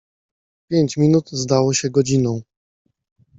Pięć minut zdało się godziną.